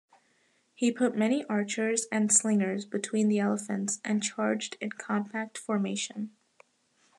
He put many archers and slingers between the elephants and charged in compact formation.